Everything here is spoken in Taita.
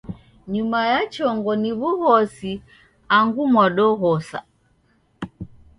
Nyuma ya chongo ni w'ugosi angu mwadoghosa.